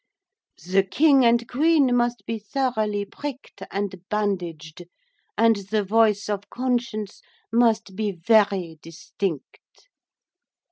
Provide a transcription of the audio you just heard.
The king and queen must be thoroughly pricked and bandaged, and the voice of conscience must be very distinct.'